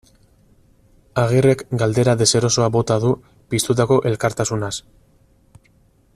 Agirrek galdera deserosoa bota du piztutako elkartasunaz.